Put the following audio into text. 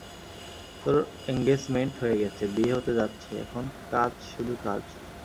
তোর এঙ্গেছমেন্ট হয়ে গেছে, বিয়ে হতে যাচ্ছে, এখন কাজ, শুধু কাজ।